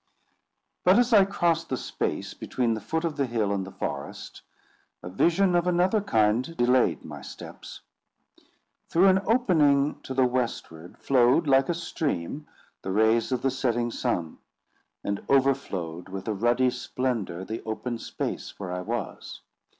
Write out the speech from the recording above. But as I crossed the space between the foot of the hill and the forest, a vision of another kind delayed my steps. Through an opening to the westward flowed, like a stream, the rays of the setting sun, and overflowed with a ruddy splendour the open space where I was.